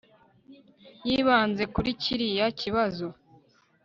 Yibanze kuri kiriya kibazo